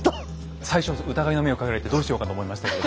最初疑いの目をかけられてどうしようかと思いましたけど。